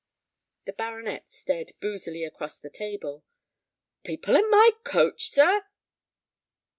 The baronet stared boozily across the table. "People in my coach, sir?"